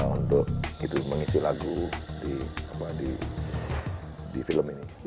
untuk mengisi lagu di film ini